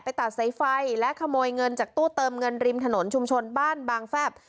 ตัดสายไฟและขโมยเงินจากตู้เติมเงินริมถนนชุมชนบ้านบางแฟบ